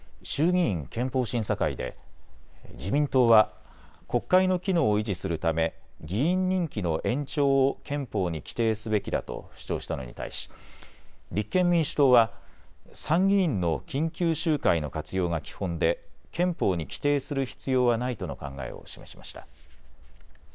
衆議院憲法審査会で自民党は国会の機能を維持するため議員任期の延長を憲法に規定すべきだと主張したのに対し立憲民主党は参議院の緊急集会の活用が基本で憲法に規定する必要はないとの考えを示しました。